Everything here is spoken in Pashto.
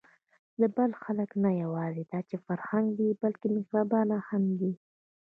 د بلخ خلک نه یواځې دا چې فرهنګي دي، بلکې مهربانه هم دي.